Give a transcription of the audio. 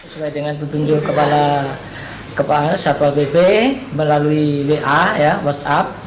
sesuai dengan petunjuk kepala satpol pp melalui wa